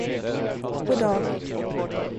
God dag.